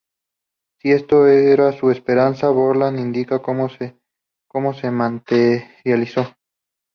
Si esto era su esperanza, Barlow indica que no se materializó.